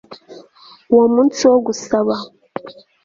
uwo munsi wo gusaba